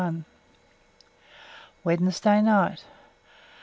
Wednesday night.